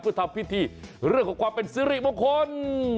เพื่อทำพิธีเลือกของความเป็นซึริบวงคน